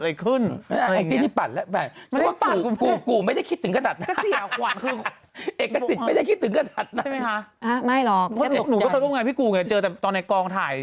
เป็นคนเม้าไม่เป็นก็